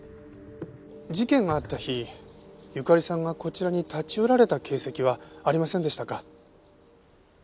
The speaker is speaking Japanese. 事件があった日ゆかりさんがこちらに立ち寄られた形跡はありませんでしたか？